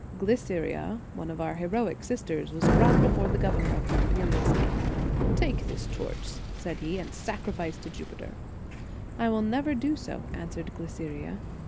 Glyceria, one of our heroic sisters, was brought before the governor of the imperial city. "Take this torch," said he, "and sacri fice to Jupiter." " I will never do so," an swered Glyceria.